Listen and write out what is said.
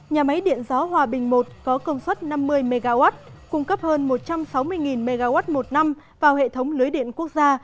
nhà máy điện gió hòa bình i có công suất năm mươi mw cung cấp hơn một trăm sáu mươi mw một năm vào hệ thống lưới điện quốc gia